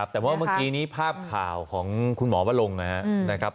แต่ว่าเมื่อกี้นี้ภาพข่าวของคุณหมอวะลงนะครับ